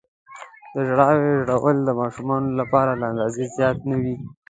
د ژاولې ژوول د ماشومانو لپاره له اندازې زیات نه وي.